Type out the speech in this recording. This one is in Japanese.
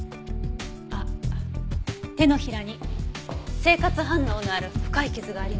あっ手のひらに生活反応のある深い傷がありました。